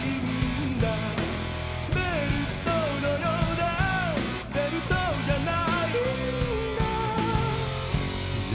「ベルトのようでベルトじゃないんだ」